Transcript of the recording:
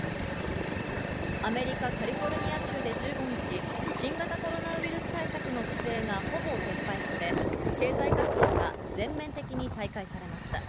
アメリカ・カリフォルニア州で１５日、新型コロナウイルス対策の規制がほぼ撤廃され、経済活動が全面的に再開されました。